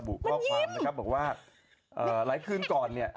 บอกว่าหลายคืนก่อนเนี่ย